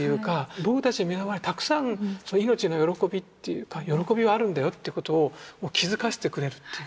僕たち身の回りたくさんそういう命の喜びっていうか喜びはあるんだよってことを気付かせてくれるっていうか。